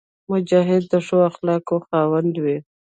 مجاهد د ښو اخلاقو خاوند وي.